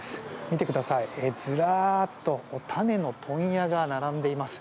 見てくださいずらっと種の問屋が並んでいます。